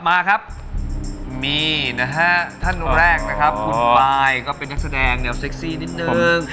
มาครับมีนะฮะท่านแรกนะครับคุณปายก็เป็นนักแสดงแนวเซ็กซี่นิดนึง